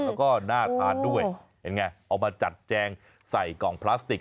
แล้วก็น่าทานด้วยเห็นไงเอามาจัดแจงใส่กล่องพลาสติก